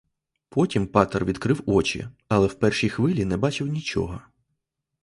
Потім патер відкрив очі, але в першій хвилі не бачив нічого.